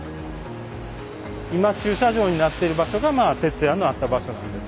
今駐車場になってる場所が「てつや」のあった場所なんです。